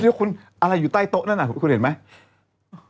ว่าคุณอะไรอยู่ใต้โต๊ะนั่นคุณเห็นไหม